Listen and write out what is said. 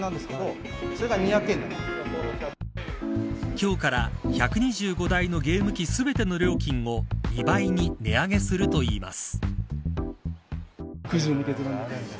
今日から１２５台のゲーム機全ての料金を２倍に値上げするといいます。